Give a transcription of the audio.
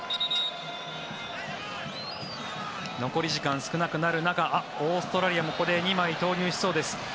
残り時間、少なくなる中オーストラリアもここで２枚投入しそうです。